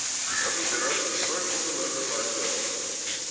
" I will get up and search for the letter myself."